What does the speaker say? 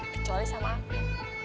kecuali sama aku